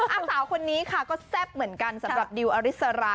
เอาสาวคนนี้ค่ะก็แซ่บเหมือนกันสำหรับดิวอริสรา